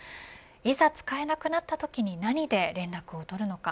いざ使えなくなったときに何で連絡を取るのか。